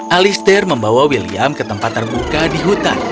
alister membawa william ke tempat terbuka di hutan